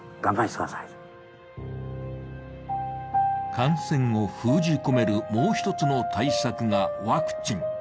感染を封じ込めるもう一つの対策がワクチン。